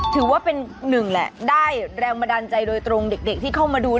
ถือว่าเป็นหนึ่งแหละได้แรงบันดาลใจโดยตรงเด็กที่เข้ามาดู